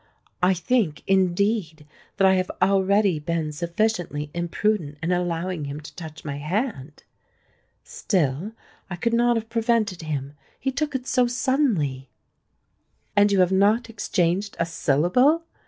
I think, indeed, that I have already been sufficiently imprudent in allowing him to touch my hand. Still I could not have prevented him—he took it so suddenly!" "And you have not exchanged a syllable!"